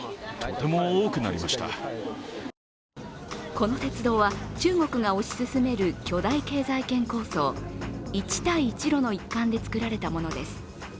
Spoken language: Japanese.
この鉄道は、中国が推し進める巨大経済圏構想、一帯一路の一環でつくられたものです。